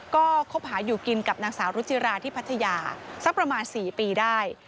ก็คบหาอยู่กินกับนางสาวรุจิราที่พัทยาสักประมาณ๔ปีได้